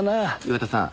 岩田さん。